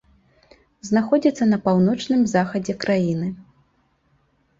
Знаходзіцца на паўночным захадзе краіны.